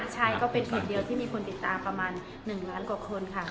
ใช่ก็เป็นเหตุเดียวที่มีคนติดตามประมาณ๑ล้านกว่าคนค่ะ